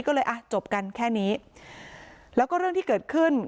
ก็เลยอ่ะจบกันแค่นี้แล้วก็เรื่องที่เกิดขึ้น